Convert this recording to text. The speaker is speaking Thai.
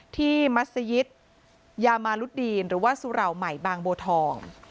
ที่มัศยิตยามารุฎีนหรือว่าสุราวใหม่บางโบทอง